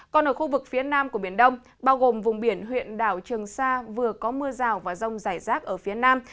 còn ở khu vực phía nam của biển đông bao gồm vùng biển huyện đảo trường sa vừa có mưa rào và rông rải rác ở phía nam